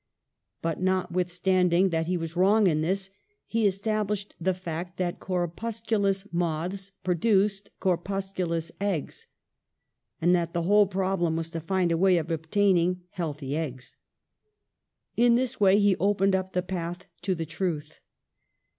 But, notwithstanding that he was wrong in this, he established the fact that corpusculous moths produced corpusculous eggs, and that the whole problem was to find a way of obtaining healthy eggs. In this way he opened up the path to the truth.